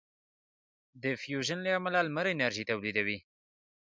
د فیوژن له امله لمر انرژي تولیدوي.